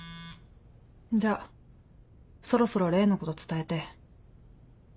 じゃあそろそろ例のこと伝えて。